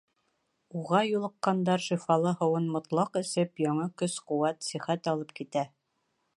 Уға юлыҡҡандар шифалы һыуын мотлаҡ эсеп, яңы көс-ҡеүәт, сихәт алып китә.